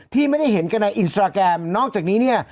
ที่ไม่ได้เห็นกันในอินสตราแกรมนอกจากนี้เนี่ย